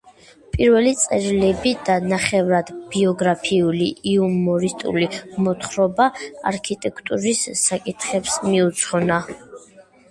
პირველი წერილები და ნახევრად ბიოგრაფიული იუმორისტული მოთხრობა არქიტექტურის საკითხებს მიუძღვნა.